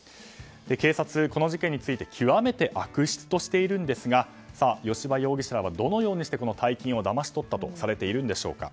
警察、この事件について極めて悪質としているんですが吉羽容疑者らはどのようにして大金をだまし取ったとされているんでしょうか。